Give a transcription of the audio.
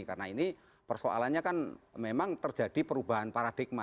karena ini persoalannya kan memang terjadi perubahan paradigma